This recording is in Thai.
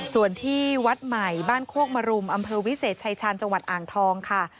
ส่วนที่วัดใหม่บ้านโคกมรุมอำเภอวิเศษชายชาญจังหวัดอ่างทองค่ะ